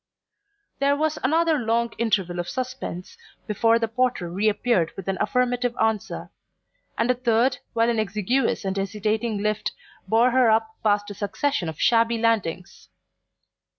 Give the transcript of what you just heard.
There was another long interval of suspense before the porter reappeared with an affirmative answer; and a third while an exiguous and hesitating lift bore her up past a succession of shabby landings.